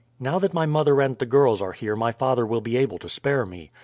Now that my mother and the girls are here my father will be able to spare me.